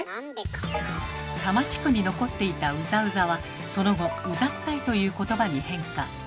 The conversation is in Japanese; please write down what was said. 多摩地区に残っていた「うざうざ」はその後「うざったい」という言葉に変化。